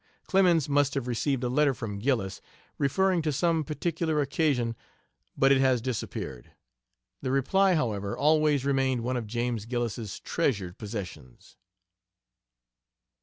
Clemens must have received a letter from Gillis referring to some particular occasion, but it has disappeared; the reply, however, always remained one of James Gillis's treasured possessions.